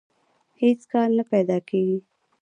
هېڅ کار نه پیدا کېږي